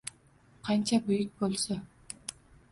Qancha buyuk bo’lsa